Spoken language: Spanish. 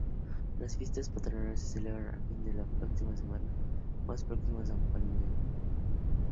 Las fiestas patronales se celebran el fin de semana más próximo a San Miguel.